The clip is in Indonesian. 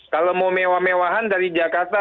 kalau mau mewah mewahan dari jakarta